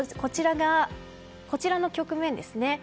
こちらの局面ですね。